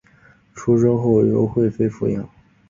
出生后由惠妃抚养。